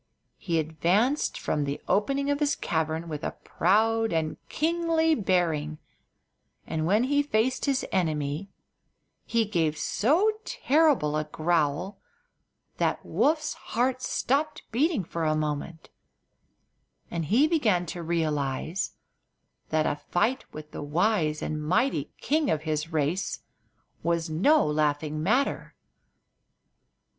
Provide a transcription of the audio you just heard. He advanced from the opening of his cavern with a proud and kingly bearing, and when he faced his enemy he gave so terrible a growl that Woof's heart stopped beating for a moment, and he began to realize that a fight with the wise and mighty king of his race was no laughing matter.